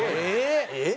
えっ？